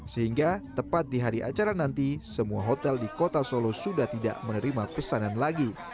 sehingga tepat di hari acara nanti semua hotel di kota solo sudah tidak menerima pesanan lagi